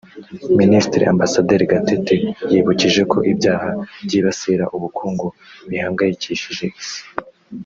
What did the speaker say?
Minisitiri Ambasaderi Gatete yibukije ko ibyaha byibasira ubukungu bihangayikishije Isi